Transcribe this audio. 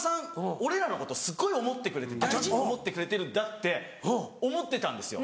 俺らのことすごい思ってくれて大事に思ってくれてるんだって思ってたんですよ。